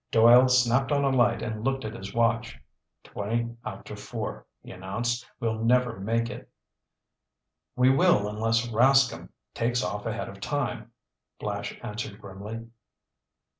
Doyle snapped on a light and looked at his watch. "Twenty after four," he announced. "We'll never make it." "We will unless Rascomb takes off ahead of time!" Flash answered grimly.